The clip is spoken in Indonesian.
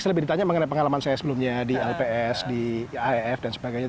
selebihnya ditanya mengenai pengalaman saya sebelumnya di lps di aif dan sebagainya